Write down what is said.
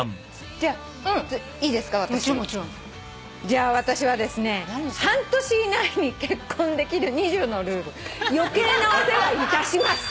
じゃあ私はですね『半年以内に結婚できる２０のルール余計なお世話いたします』